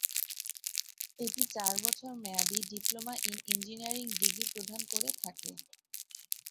এটি চার বছর মেয়াদী ডিপ্লোমা ইন ইঞ্জিনিয়ারিং ডিগ্রি প্রদান করে থাকে।